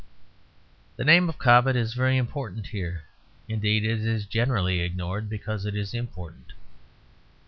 The name of Cobbett is very important here; indeed it is generally ignored because it is important.